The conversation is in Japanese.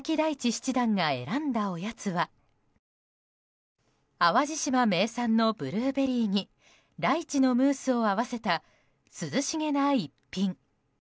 七段が選んだおやつは淡路島名産のブルーベリーにライチのムースを合わせた涼しげな一品。